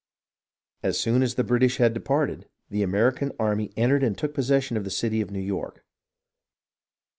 As soon as the British had departed, the American army entered and took possession of the city of New York.